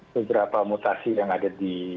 beberapa mutasi yang ada di